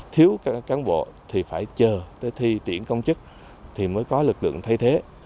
thiếu các cán bộ thì phải chờ tới thi tiễn công chức thì mới có lực lượng thay thế